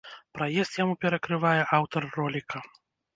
Праезд яму перакрывае аўтар роліка.